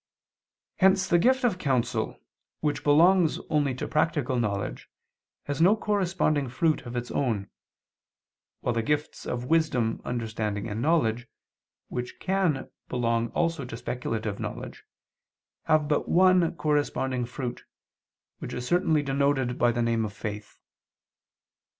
Hence the gift of counsel, which belongs only to practical knowledge, has no corresponding fruit of its own: while the gifts of wisdom, understanding and knowledge, which can belongs also to speculative knowledge, have but one corresponding fruit, which is certainly denoted by the name of faith.